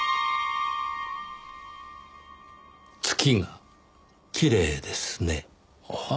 月がきれいですね。は？